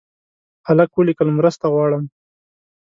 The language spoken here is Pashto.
هلک ولیکل مرسته غواړم.